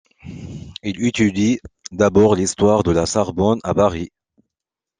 Il étudie d'abord l'histoire à la Sorbonne à Paris.